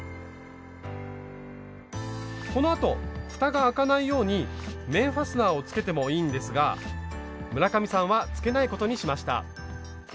このあとふたが開かないように面ファスナーをつけてもいいんですが村上さんはつけないことにしました。